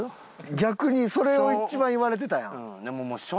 逆にそれ一番言われてたやん。